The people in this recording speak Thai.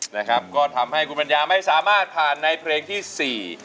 นะครับก็ทำให้คุณปัญญาไม่สามารถผ่านในเพลงที่สี่